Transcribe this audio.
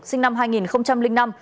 sinh năm hai nghìn năm